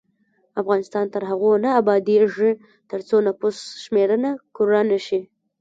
افغانستان تر هغو نه ابادیږي، ترڅو نفوس شمېرنه کره نشي.